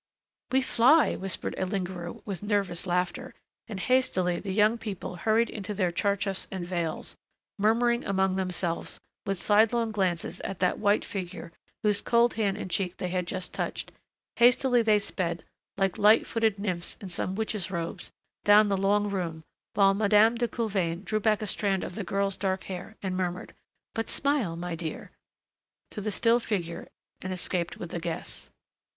"We fly!" whispered a lingerer with nervous laughter, and hastily the young people hurried into their tcharchafs and veils, murmuring among themselves, with sidelong glances at that white figure whose cold hand and cheek they had just touched, hastily they sped, like light footed nymphs in some witches' robes, down the long room, while Madame de Coulevain drew back a strand of the girl's dark hair and murmured, "But smile, my dear," to the still figure and escaped with the guests.